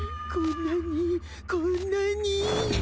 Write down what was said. こんなにこんなに。